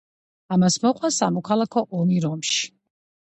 ამას მოყვა სამოქალაქო ომი რომში.